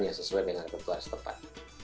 yang sesuai dengan kebutuhan setempat